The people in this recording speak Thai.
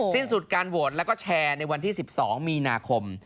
สิ้นสุดการโหวตแล้วก็แชร์ในวันที่๑๒มีนาคม